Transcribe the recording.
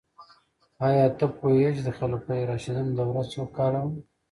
آیا ته پوهیږې چې د خلفای راشدینو دوره څو کاله وه؟